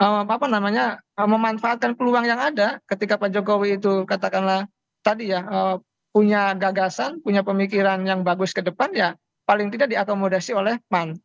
apa namanya memanfaatkan peluang yang ada ketika pak jokowi itu katakanlah tadi ya punya gagasan punya pemikiran yang bagus ke depan ya paling tidak diakomodasi oleh pan